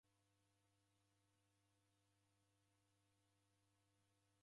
Ni gali kubonya zoghori mzi ghwa W'oi.